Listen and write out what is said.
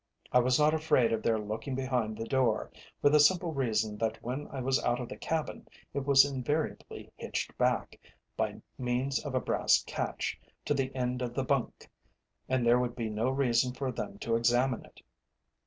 I was not afraid of their looking behind the door, for the simple reason that when I was out of the cabin, it was invariably hitched back, by means of a brass catch, to the end of the bunk and there would be no reason for them to examine it.